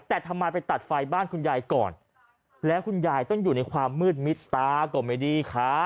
แต่ทำไมไปตัดไฟบ้านคุณยายก่อนแล้วคุณยายต้องอยู่ในความมืดมิดตาก็ไม่ดีขา